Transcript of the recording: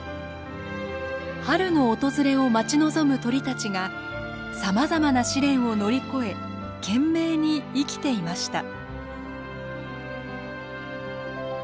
春の訪れを待ち望む鳥たちがさまざまな試練を乗り越え懸命に生きていました。